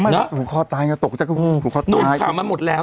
เนอะผูกคอตายเนี่ยตกใจผูกคอตายหนุ่มข่าวมันหมดแล้วหนุ่ม